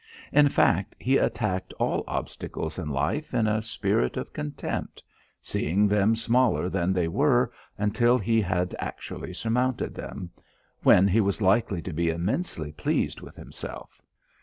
In fact he attacked all obstacles in life in a spirit of contempt, seeing them smaller than they were until he had actually surmounted them when he was likely to be immensely pleased with himself.